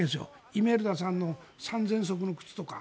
イメルダさんの３０００足の靴とか。